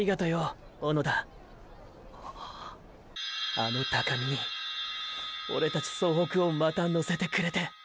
あの高みにオレたち総北をまた乗せてくれて。